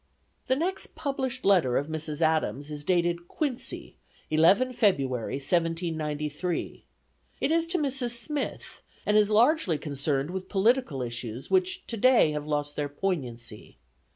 The next published letter of Mrs. Adams is dated Quincy, 11 February, 1793. It is to Mrs. Smith, and is largely concerned with political issues which today have lost their poignancy.